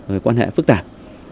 và quan hệ phức tạp